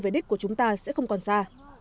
về đích của chúng ta sẽ không còn xa